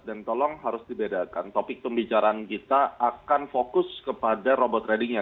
dan tolong harus dibedakan topik pembicaraan kita akan fokus kepada robot tradingnya